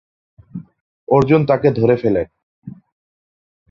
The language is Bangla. অর্জুন তাকে ধরে ফেলেন।